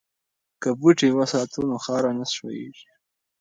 که بوټي وساتو نو خاوره نه ښویېږي.